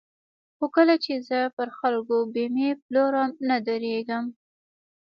خو کله چې زه پر خلکو بېمې پلورم نه درېږم.